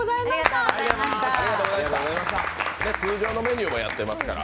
通常のメニューもやっていますから。